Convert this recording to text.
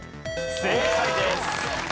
正解です。